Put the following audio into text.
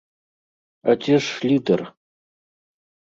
А дзе ж лідэр?